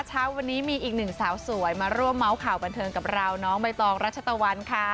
เช้าวันนี้มีอีกหนึ่งสาวสวยมาร่วมเมาส์ข่าวบันเทิงกับเราน้องใบตองรัชตะวันค่ะ